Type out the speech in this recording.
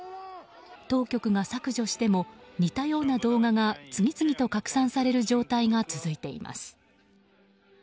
当局が削除しても似たような動画が次々と拡散される状態が続いています。